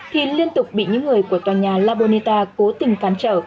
thì liên tục bị những người của tòa nhà la bonita cố tình phán trở